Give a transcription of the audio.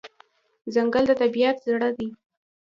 ځنګل د طبیعت زړه دی.